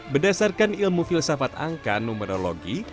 berdasarkan ilmu filsafat angka numerologi